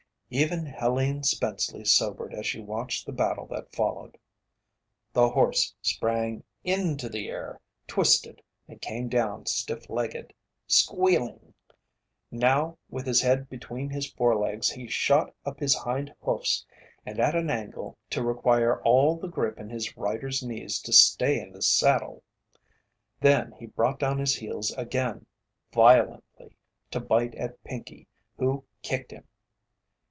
Even Helene Spenceley sobered as she watched the battle that followed. The horse sprang into the air, twisted, and came down stiff legged squealing. Now with his head between his forelegs he shot up his hind hoofs and at an angle to require all the grip in his rider's knees to stay in the saddle. Then he brought down his heels again, violently, to bite at Pinkey who kicked him.